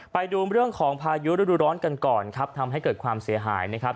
ไปดูเรื่องของพายุฤดูร้อนกันก่อนครับทำให้เกิดความเสียหายนะครับ